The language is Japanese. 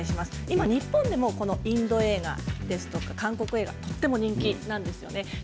今、日本でもインド映画ですとか韓国映画とっても人気なんですよね。